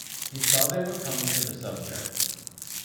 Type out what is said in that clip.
He saw they were coming to the subject.